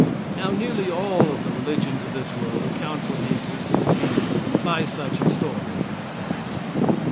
Now, nearly all of the religions of this world account for the existence of evil by such a story as that.